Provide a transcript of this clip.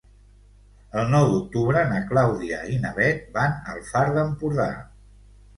El nou d'octubre na Clàudia i na Bet van al Far d'Empordà.